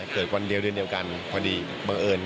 วันเดียวเดือนเดียวกันพอดีบังเอิญ